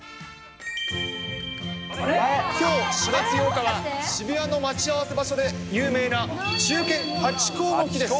きょう４月８日は渋谷の待ち合わせ場所で有名な忠犬ハチ公の日です。